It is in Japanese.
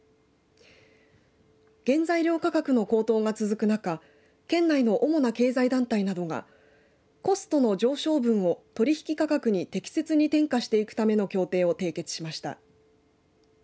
原材料価格の高騰が続く中県内の主な経済団体などがコストの上昇分を取引価格に適切に転嫁していくための協定を締結しました。